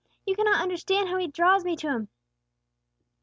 You cannot understand how He draws me to Him!"